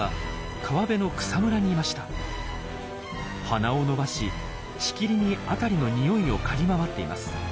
鼻を伸ばししきりに辺りの匂いを嗅ぎ回っています。